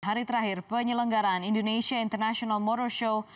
hari terakhir penyelenggaraan indonesia international motor show